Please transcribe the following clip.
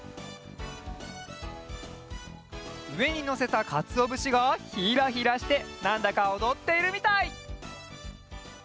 うえにのせたかつおぶしがひらひらしてなんだかおどっているみたい！